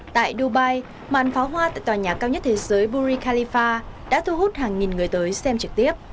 tại dubai màn pháo hoa tại tòa nhà cao nhất thế giới buri khalifa đã thu hút hàng nghìn người tới xem trực tiếp